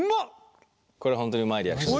これ本当にうまいリアクション。